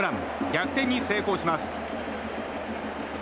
逆転に成功します。